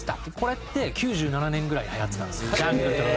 これって９７年ぐらいにはやってたんですよ。